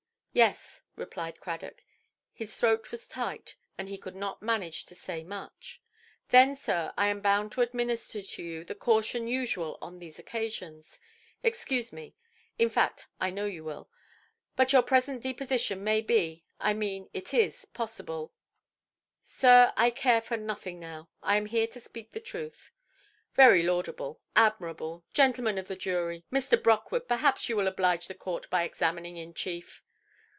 "Yes", replied Cradock. His throat was tight, and he could not manage to say much. "Then, sir, I am bound to administer to you the caution usual on these occasions. Excuse me; in fact, I know you will; but your present deposition may be—I mean it is possible——" "Sir, I care for nothing now. I am here to speak the truth". "Very laudable. Admirable! Gentlemen of the jury—Mr. Brockwood, perhaps you will oblige the court by examining in chief"?